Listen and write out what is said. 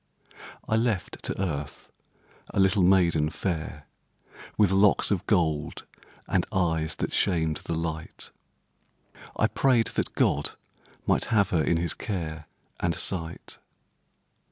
I left, to earth, a little maiden fair, With locks of gold, and eyes that shamed the light; I prayed that God might have her in His care And sight.